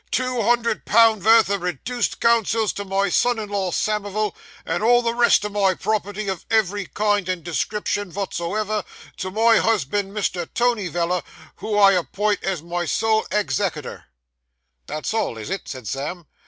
'Two hundred pound vurth o' reduced counsels to my son in law, Samivel, and all the rest o' my property, of ev'ry kind and description votsoever, to my husband, Mr. Tony Veller, who I appint as my sole eggzekiter.' 'That's all, is it?' said Sam.